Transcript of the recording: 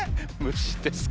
虫ですか。